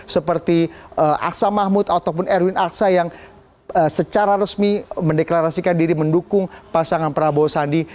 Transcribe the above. seperti aksa mahmud ataupun erwin aksa yang secara resmi mendeklarasikan diri mendukung pasangan prabowo sandi